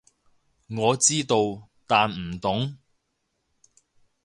我知道，但唔懂